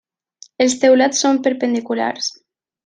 Els teulats són perpendiculars.